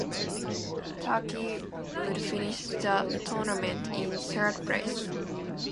Turkey would finish the tournament in third place.